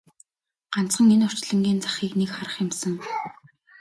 Ганцхан энэ орчлонгийн захыг нэг харах юмсан!